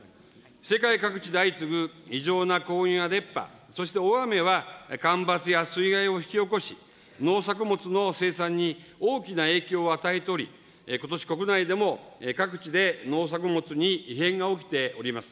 世界各地で相次ぐ異常な高温や熱波、そして大雨は、干ばつや水害を引き起こし、農作物の生産に大きな影響を与えており、ことし、国内でも各地で農作物に異変が起きております。